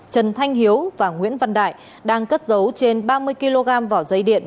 trần thanh hiếu và nguyễn văn đại đang cất dấu trên ba mươi kg vỏ dây điện